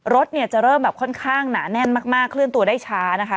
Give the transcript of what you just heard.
รถเนี่ยจะเริ่มแบบค่อนข้างหนาแน่นมากเคลื่อนตัวได้ช้านะคะ